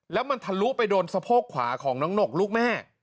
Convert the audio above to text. แล้วมันทะลุไปโดนสะโพกขวาของน้องหนกลูกแม่